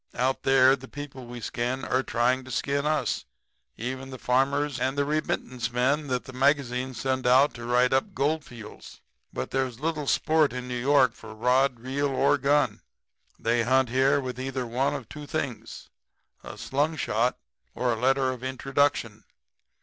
Out there the people we skin are trying to skin us, even the farmers and the remittance men that the magazines send out to write up Goldfields. But there's little sport in New York city for rod, reel or gun. They hunt here with either one of two things a slungshot or a letter of introduction.